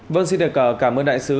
vâng xin đề cờ cảm ơn đại sứ